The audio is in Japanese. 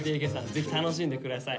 ぜひ楽しんで下さい。